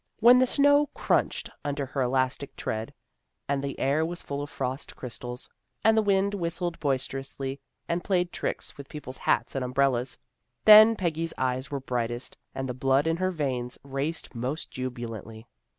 When the snow " crunched " under her elastic tread, and the air was full of frost crystals, and the wind whistled boisterously, and played tricks with people's hats and umbrellas, then Peggy's eyes were brightest and the blood hi her veins raced most jubilantly.